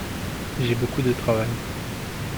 J'ai beaucoup de travail.